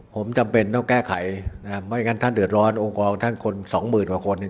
ผมจำเป็นต้องแก้ไขไม่อย่างนั้นถ้าเกิดร้อนของทหารตัวอึ่งกว่าท่านคนนึง